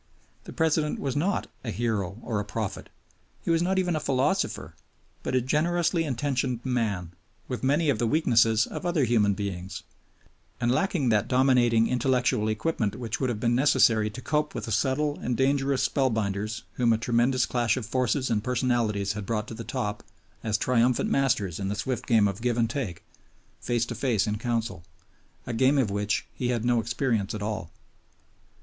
The President was not a hero or a prophet; he was not even a philosopher; but a generously intentioned man, with many of the weaknesses of other human beings, and lacking that dominating intellectual equipment which would have been necessary to cope with the subtle and dangerous spellbinders whom a tremendous clash of forces and personalities had brought to the top as triumphant masters in the swift game of give and take, face to face in Council, a game of which he had no experience at all.